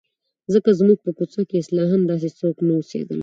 ځکه زموږ په کوڅه کې اصلاً داسې څوک نه اوسېدل.